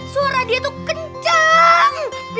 suara dia tuh kenceng